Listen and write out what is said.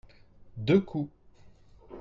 deux coups.